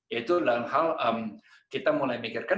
yaitu dalam hal kita mulai mikirkan